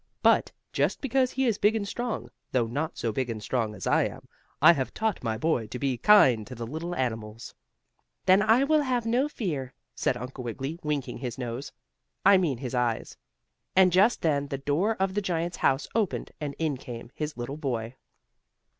But, just because he is big and strong, though not so big and strong as I am, I have taught my boy to be kind to the little animals." "Then I will have no fear," said Uncle Wiggily, winking his nose I mean his eyes and just then the door of the giant's house opened and in came his little boy.